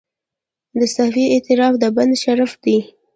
د سهوې اعتراف د بنده شرف دی.